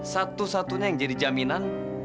satu satunya yang jadi jaminan